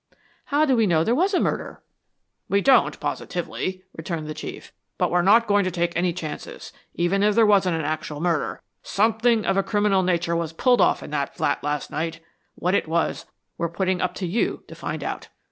"How do we know there was a murder?" "We don't know positively," returned the Chief. "But we're not going to take any chances. Even if there wasn't an actual murder, SOMETHING OF A CRIMINAL NATURE WAS PULLED OFF IN THAT FLAT LAST NIGHT. What it was, we're putting up to you to find out.